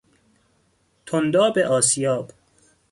تنداب آسیاب